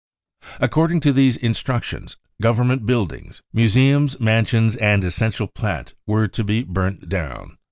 "According to these instructions, Government build ings, museums, mansions and essential plant were to be; ' burnt down.